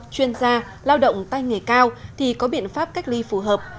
chuyên gia lao động tay nghề cao thì có biện pháp cách ly phù hợp